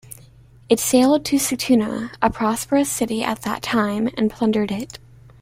It sailed to Sigtuna, a prosperous city at that time, and plundered it.